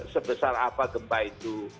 sebesar apa gempa itu